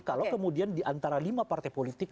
kalau kemudian di antara lima partai politik